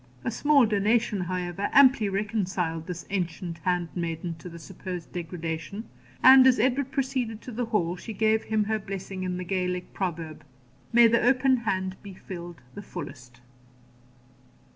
A small donation, however, amply reconciled this ancient handmaiden to the supposed degradation; and, as Edward proceeded to the hall, she gave him her blessing in the Gaelic proverb, 'May the open hand be filled the fullest.'